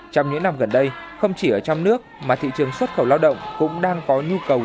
trong những năm gần đây không chỉ ở trong nước mà thị trường xuất khẩu lao động cũng đang có nhu cầu